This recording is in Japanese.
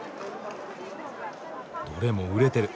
どれも熟れてる。